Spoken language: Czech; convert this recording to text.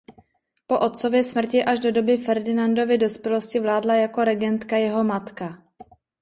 Po otcově smrti až doby Ferdinandovy dospělosti vládla jako regentka jeho matka.